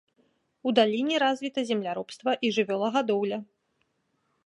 У даліне развіта земляробства і жывёлагадоўля.